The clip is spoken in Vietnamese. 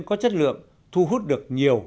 có chất lượng thu hút được nhiều